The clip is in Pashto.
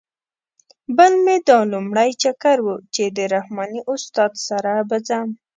بل مې دا لومړی چکر و چې د رحماني استاد سره به ځم.